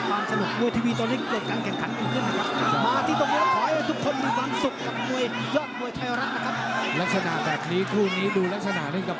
ลักษณะแบบนี้คู่นี้ดูลักษณะ